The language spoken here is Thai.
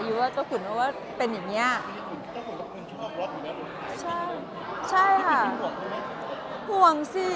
อายุหรือเจ้าขุนก็ว่าเป็นอย่างนี้